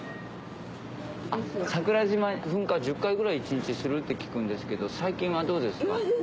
桜島噴火１０回ぐらい一日でするって聞くんですけど最近はどうですか？